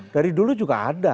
dari dulu juga ada